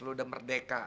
lo udah merdeka